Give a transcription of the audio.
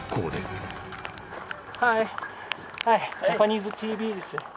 ジャパニーズＴＶです。